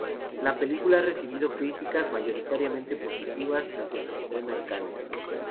La película ha recibido críticas mayoritariamente positivas desde su estreno en Cannes.